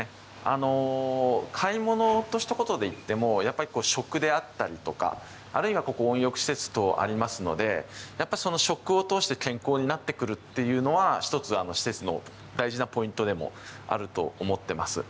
買い物とひと言で言ってもやっぱり食であったりとかあるいは、ここ温浴施設等ありますのでやっぱり食を通して健康になってくるというのは１つ、施設の大事なポイントでもあると思ってます。